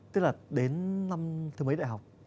tức là đến năm thứ mấy đại học